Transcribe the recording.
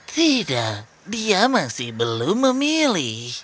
tidak dia masih belum memilih